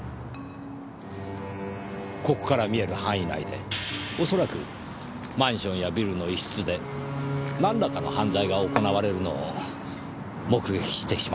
ここから見える範囲内でおそらくマンションやビルの一室でなんらかの犯罪が行われるのを目撃してしまった。